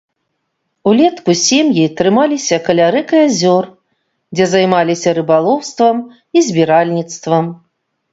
Улетку сем'і трымаліся каля рэк і азёр, дзе займаліся рыбалоўствам і збіральніцтвам.